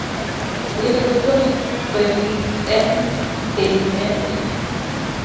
Wi butun kwenik eng' keimete